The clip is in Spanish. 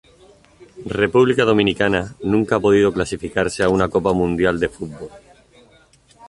República Dominicana nunca ha podido clasificarse a una Copa Mundial de Fútbol.